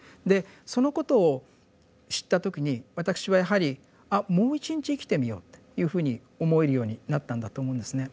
でそのことを知った時に私はやはり「あもう一日生きてみよう」というふうに思えるようになったんだと思うんですね。